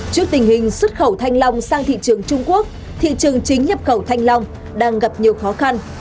trước tình hình xuất khẩu thanh long sang thị trường trung quốc thị trường chính nhập khẩu thanh long đang gặp nhiều khó khăn